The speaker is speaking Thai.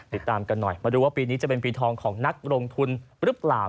ติดตามกันหน่อยมาดูว่าปีนี้จะเป็นปีทองของนักลงทุนหรือเปล่า